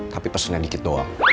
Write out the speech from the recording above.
tapi pesennya dikit doang